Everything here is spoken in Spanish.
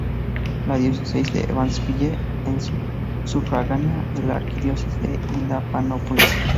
La Diócesis de Evansville es sufragánea de la Arquidiócesis de Indianápolis.